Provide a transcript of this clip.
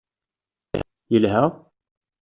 Yelha!